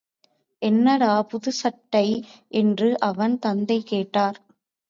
என்னடா புதுச்சட்டை? என்று அவன் தந்தை கேட்டார்.